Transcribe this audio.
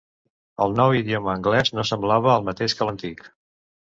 El nou idioma anglès no semblava el mateix que l'antic.